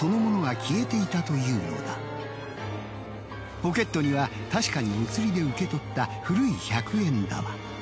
ポケットには確かにお釣りで受け取った古い百円玉。